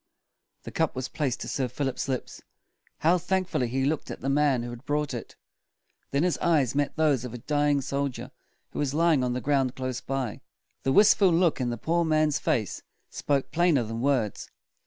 The cup was placed to Sir Philip's lips. How thank ful ly he looked at the man who had brought it! Then his eyes met those of a dying soldier who was lying on the ground close by. The wist ful look in the poor man's face spoke plainer than words.